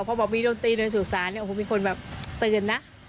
พอบอกว่ามีดนตรีในสู่ศาลโอ้โฮมีคนแบบตื่นนะ